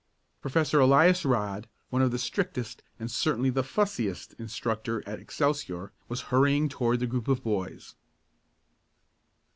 Professor Elias Rodd, one of the strictest and certainly the "fussiest" instructor at Excelsior, was hurrying toward the group of boys.